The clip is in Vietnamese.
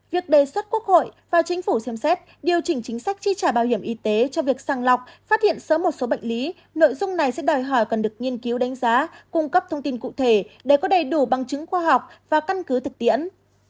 việc đề xuất quốc hội và chính phủ xem xét điều chỉnh chính sách tri trả bảo hiểm y tế cho việc sang lọc phát hiện sớm một số bệnh lý nội dung này sẽ đòi hỏi cần được nghiên cứu đánh giá cung cấp thông tin cụ thể để có đầy đủ bằng chứng khoa học và căn cứ thực tiễn